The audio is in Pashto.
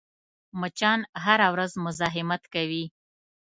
مچان هره ورځ مزاحمت کوي